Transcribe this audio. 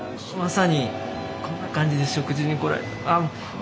まさにこんな感じで食事に来られて。